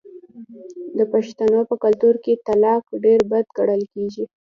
د پښتنو په کلتور کې طلاق ډیر بد ګڼل کیږي.